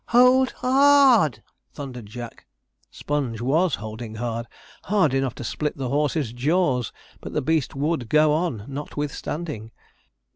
'HOLD HARD!' thundered Jack. Sponge was holding hard hard enough to split the horse's jaws, but the beast would go on, notwithstanding.